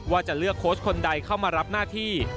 ว่าจะเลือกโค้ชคนใดเข้ามารับหน้าที่